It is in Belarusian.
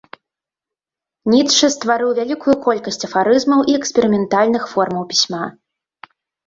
Ніцшэ стварыў вялікую колькасць афарызмаў і эксперыментальных формаў пісьма.